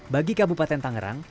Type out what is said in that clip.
bagi kabupaten tangerang